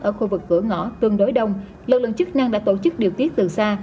ở khu vực cửa ngõ tương đối đông lực lượng chức năng đã tổ chức điều tiết từ xa